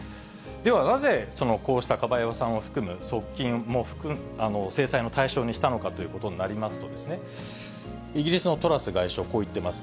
では、なぜこうしたカバエワさんを含む側近も制裁の対象にしたのかということになりますと、イギリスのトラス外相、こう言っています。